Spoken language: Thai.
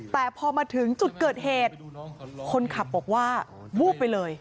แต่พอมาถึงจุดเกิดเหตุคนขับบอกว่าวูบไปเลย